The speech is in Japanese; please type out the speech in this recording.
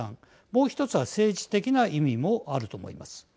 もう１つは政治的な意味もあると思います。